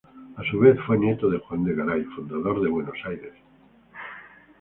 A su vez, fue nieto de Juan de Garay, fundador de Buenos Aires.